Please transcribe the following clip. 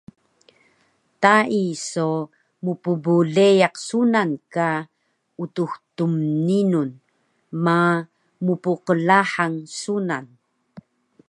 Tai so mpbleyaq sunan ka Utux Tmninun ma mpqlahang sunan